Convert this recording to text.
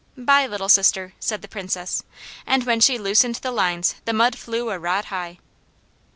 "Bye, Little Sister," said the Princess, and when she loosened the lines the mud flew a rod high.